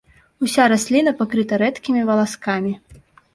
Уся расліна пакрыта рэдкімі валаскамі.